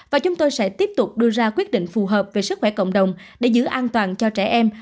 và chúng tôi sẽ tiếp tục đưa ra quyết định phù hợp về sức khỏe cộng đồng để giữ an toàn cho trẻ em